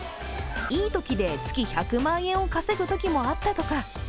いいときで月１００万円を稼ぐときもあったとか。